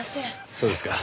そうですか。